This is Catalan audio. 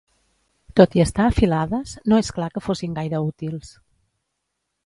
Tot i estar afilades, no és clar que fossin gaire útils.